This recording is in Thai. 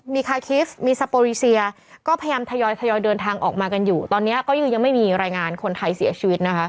มีสปอริเซียก็พยายามทยอยเดินทางออกมากันอยู่ตอนนี้ก็ยังไม่มีรายงานคนไทยเสียชีวิต